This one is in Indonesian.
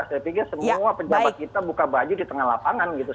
saya pikir semua pejabat kita buka baju di tengah lapangan gitu